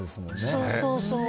そうそうそう。